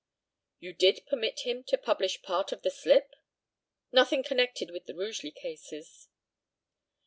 You did permit him to publish part of the slip? Nothing connected with the Rugeley cases.